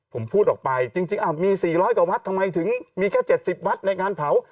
ผมพูดออกไปจริงมี๔๐๐กว่าวัดทำไมถึงมีแค่๗๐วัดในงานเผา